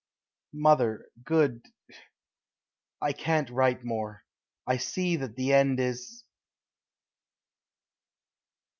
Mother, good . I can't write more. I see that the end is....